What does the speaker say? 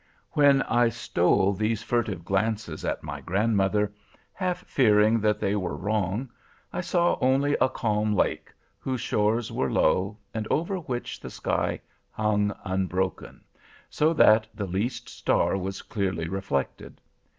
"When I stole these furtive glances at my grandmother, half fearing that they were wrong, I saw only a calm lake, whose shores were low, and over which the sky hung unbroken, so that the least star was clearly reflected.